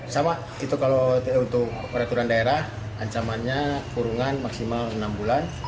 sama itu kalau untuk peraturan daerah ancamannya kurungan maksimal enam bulan